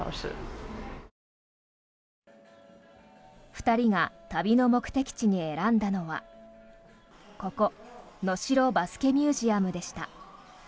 ２人が旅の目的地に選んだのはここ能代バスケミュージアムでした。